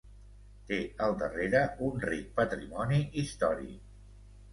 té al darrere un ric patrimoni històric